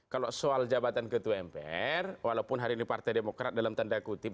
kalau soal jabatan ketua mpr walaupun hari ini partai demokrat dalam tanda kutip